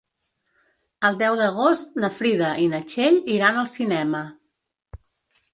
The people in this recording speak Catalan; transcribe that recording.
El deu d'agost na Frida i na Txell iran al cinema.